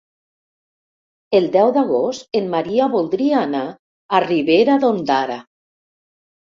El deu d'agost en Maria voldria anar a Ribera d'Ondara.